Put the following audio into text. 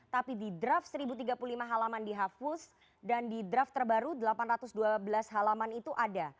tapi di draft seribu tiga puluh lima halaman dihapus dan di draft terbaru delapan ratus dua belas halaman itu ada